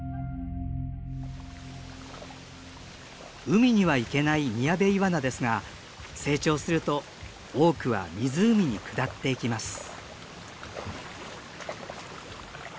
海には行けないミヤベイワナですが成長すると多くは湖に下っていきます。